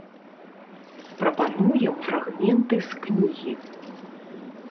Прапануем фрагменты з кнігі.